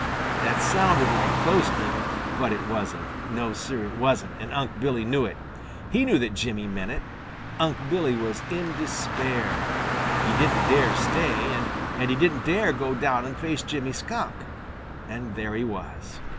That sounded like boasting, but it wasn't. No, Sir, it wasn't, and Unc' Billy knew it. He knew that Jimmy meant it. Unc' Billy was in despair. He didn't dare stay, and he didn't dare go down and face Jimmy Skunk, and there he was.